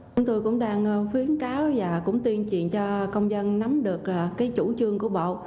chúng tôi cũng đang khuyến cáo và cũng tuyên truyền cho công dân nắm được chủ trương của bộ